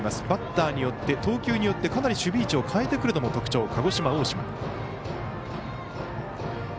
バッターによって投球によって、かなり守備位置を変えてくるのも特徴鹿児島、大島。